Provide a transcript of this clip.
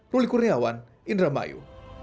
ruli kuriawan indra mayu